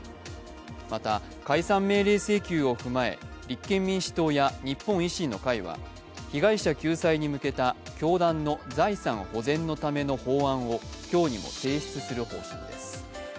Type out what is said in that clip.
また解散命令請求を踏まえ立憲民主党や日本維新の会は被害者救済に向けた教団の財産保全のための法案を今日にも提出する方針です。